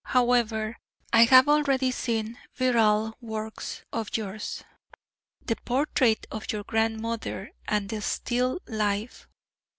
However, I have already seen virile works of yours the portrait of your grandmother and the still life.